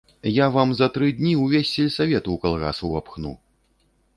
Я вам за тры дні ўвесь сельсавет у калгас увапхну.